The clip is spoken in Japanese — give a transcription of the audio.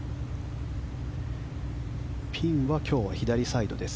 ピンは今日は左サイドです。